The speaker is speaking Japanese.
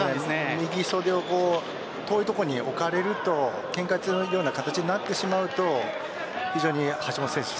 右そでを遠いところに置かれるとけんか四つのような形になってしまうと非常に橋本選手